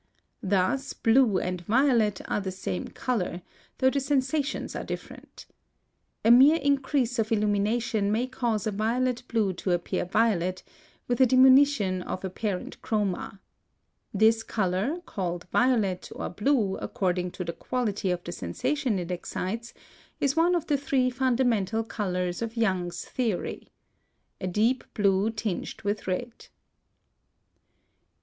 Thus blue and violet are the same color, though the sensations are different. A mere increase of illumination may cause a violet blue to appear violet, with a diminution of apparent CHROMA. This color, called violet or blue according to the quality of the sensation it excites, is one of the three fundamental colors of Young's theory. A deep blue tinged with red.